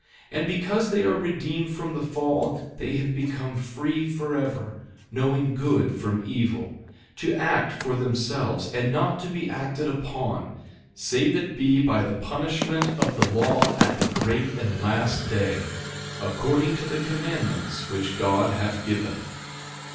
And because that they are redeemed from the fall they have become free forever, knowing good from evil; to act for themselves and not to be acted upon, save it be by the punishment of the law at the great and last day, according to the commandments which God hath given.